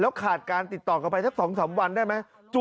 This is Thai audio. ขาดการติดต่อกลับไปสัก๒๓วันได้ไหม